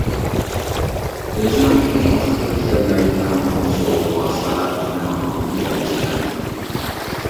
ئۆزۈڭ ۋاقتىدا كەلمەي تامىقىڭ سوۋۇپ قالسا يەنە ئاناڭدىن رەنجىدىڭ.